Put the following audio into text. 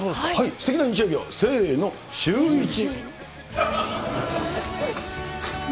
すてきな日曜日を、せーの、シューイチ。